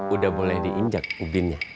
udah boleh diinjak uginnya